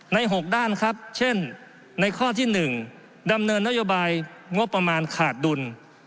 ๖ด้านครับเช่นในข้อที่๑ดำเนินนโยบายงบประมาณขาดดุล